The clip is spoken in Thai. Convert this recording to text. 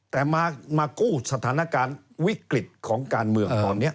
แต่มากู้สถานการณ์วิกฤตของการเมืองตอนนี้